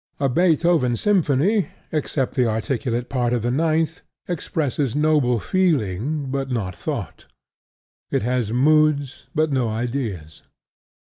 A Beethoven symphony (except the articulate part of the ninth) expresses noble feeling, but not thought: it has moods, but no ideas.